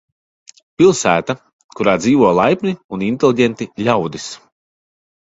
Pilsēta, kurā dzīvo laipni un inteliģenti ļaudis.